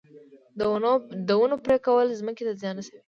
د ونو پرې کول ځمکې ته زیان رسوي